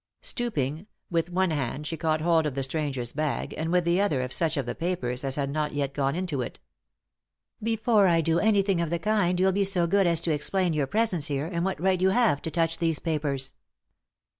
Stooping, with one hand she caught hold of the stranger's bag and with the other of such of the papers as had not yet gone into it. " Before I do anything of the kind you'll be so good as to explain your presence here, and what right you have to touch these papers."